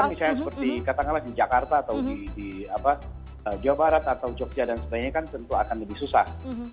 misalnya seperti katakanlah di jakarta atau di jawa barat atau jogja dan sebagainya kan tentu akan lebih susah